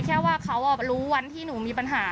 แค่ว่าเขารู้วันที่หนูมีปัญหา